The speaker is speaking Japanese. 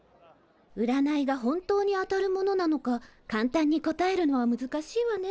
うらないが本当に当たるものなのか簡単に答えるのは難しいわね。